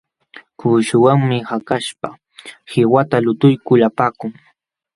Kuuśhawanmi hakaśhpa qiwata lutuykul apakun.